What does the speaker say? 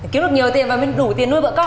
kiếm được nhiều tiền và đủ tiền nuôi bọn con